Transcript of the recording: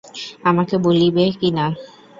আমাকে বলিবে কি না।